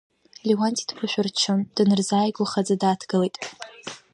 Леуанти дԥышәырччон, данырзааигәахаӡа дааҭгылеит.